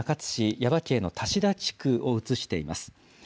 耶馬渓の多志田地区を映しています。